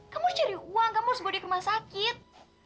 kamu harus cari uang kamu harus bawa dia ke rumah sakit